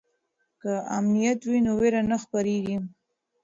که امنیت وي نو ویره نه خپریږي.